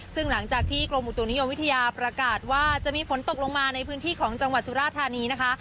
ซึ่งหลังจากที่กรมอุตุนิยมวิทยาประกาศว่าจะมีฝนตกลงมาในพื้นที่ของจังหวัดสุราธานีนะคะ